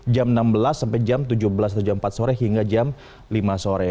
jam enam belas sampai jam tujuh belas atau jam empat sore hingga jam lima sore